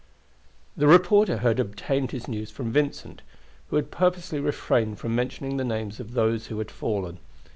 The reporter had obtained his news from Vincent, who had purposely refrained from mentioning the names of those who had fallen.